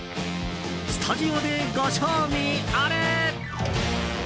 スタジオでご賞味あれ。